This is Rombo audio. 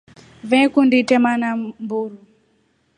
Vee kundi itema namburu.